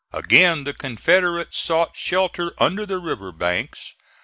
Again the Confederates sought shelter under the river banks.